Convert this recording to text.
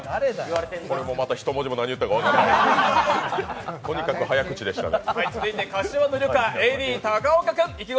これもまた１文字も何言っているか分からん、とにかく早口でしたね。